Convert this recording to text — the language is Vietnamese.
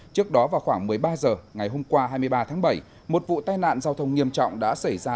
trước đó vào khoảng một mươi ba h ngày hôm qua hai mươi ba tháng bảy một vụ tai nạn giao thông nghiêm trọng đã xảy ra